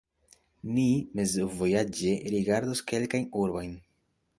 Ni mezvojaĝe rigardos kelkajn urbojn.